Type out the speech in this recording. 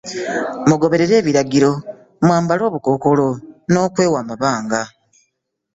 Mugoberere ebiragiro, mwambale obukookolo n'okwewa amabanga